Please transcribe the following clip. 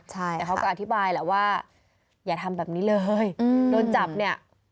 แต่เขาก็อธิบายแหละว่าอย่าทำแบบนี้เลยโดนจับเนี่ย